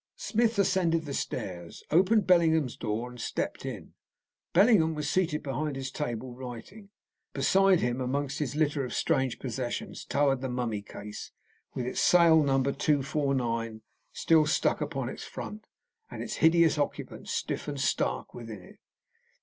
Smith ascended the stairs, opened Bellingham's door and stepped in. Bellingham was seated behind his table, writing. Beside him, among his litter of strange possessions, towered the mummy case, with its sale number 249 still stuck upon its front, and its hideous occupant stiff and stark within it.